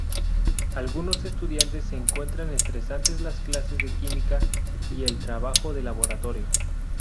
Algunos estudiantes encuentran estresantes las clases de química y el trabajo de laboratorio.